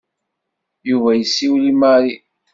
Yuba yessiwel i Mary.